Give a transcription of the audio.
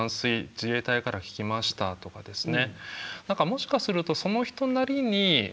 自衛隊から聞きました」とかですね